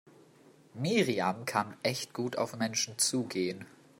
Miriam kann echt gut auf Menschen zugehen.